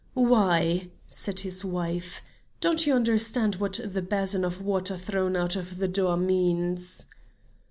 "Why," said his wife, "don't you understand what the basin of water thrown out of the door means?"